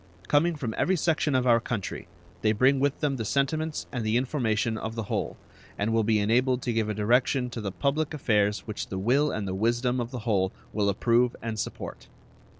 Coming from every section of our country, they bring with them the sentiments and the information of the whole, and will be enabled to give a direction to the public affairs which the will and the wisdom of the whole will approve and support.